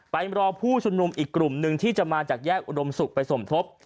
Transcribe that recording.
รอผู้ชุมนุมอีกกลุ่มหนึ่งที่จะมาจากแยกอุดมศุกร์ไปสมทบ